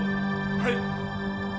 はい。